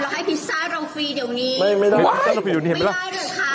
เราให้พิซซ่าเราฟรีเดี๋ยวนี้ไม่ไม่ได้ไม่ได้เลยค่ะ